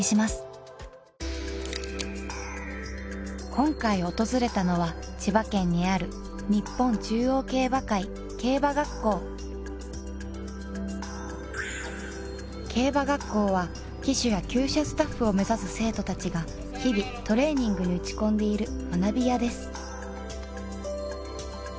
今回訪れたのは千葉県にある競馬学校は騎手や厩舎スタッフを目指す生徒たちが日々トレーニングに打ち込んでいる学びやです